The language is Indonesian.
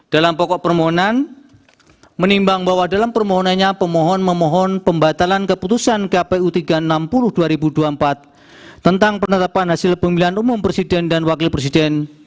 dalam pokok permohonan menimbang bahwa dalam permohonannya pemohon memohon pembatalan keputusan kpu tiga ratus enam puluh dua ribu dua puluh empat tentang penetapan hasil pemilihan umum presiden dan wakil presiden